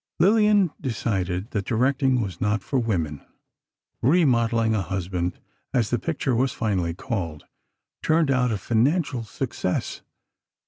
Lillian decided that directing was not for women. "Remodeling a Husband," as the picture was finally called, turned out a financial success.